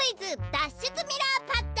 脱出ミラーパッド！」